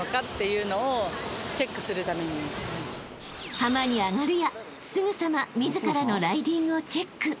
［浜に上がるやすぐさま自らのライディングをチェック］